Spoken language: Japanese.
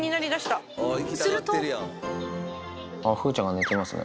あっ、風ちゃんが寝てますね。